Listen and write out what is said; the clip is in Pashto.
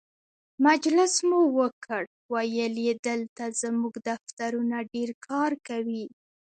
مجلس مو وکړ، ویل یې دلته زموږ دفترونه ډېر کار کوي.